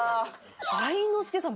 愛之助さん